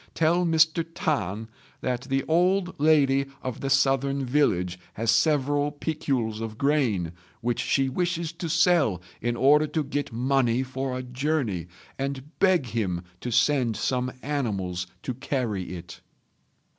Tell Mr. T'an that the old lady of the southern village has several piculs of grain which she wishes to sell in order to get money for a journey, and beg him to send some animals to carry it."